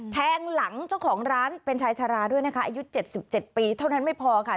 แทงหลังเจ้าของร้านเป็นชายชาราด้วยนะคะอายุ๗๗ปีเท่านั้นไม่พอค่ะ